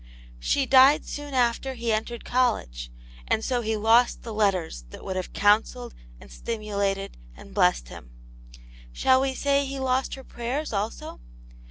She died soon after he entered college, and so he lost the letters that would have counselled and stimulated and blessed him. Shall we say he lost her prayers, also